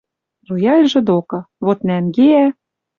Рояльжы докы. Вот нӓнгеӓ